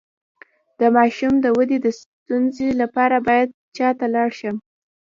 د ماشوم د ودې د ستونزې لپاره باید چا ته لاړ شم؟